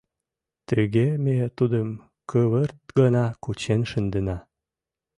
Тыге ме тудым кывырт гына кучен шындена.